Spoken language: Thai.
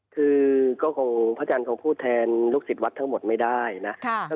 คือก็คงพระอาจารย์คงพูดแทนลูกศิษย์วัดทั้งหมดไม่ได้นะ